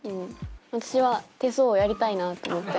私は手相をやりたいなって思って。